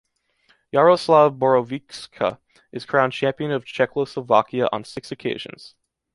Jaroslav Borovička is crowned champion of Czechoslovakia on six occasions